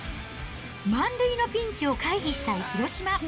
満塁のピンチを回避したい広島。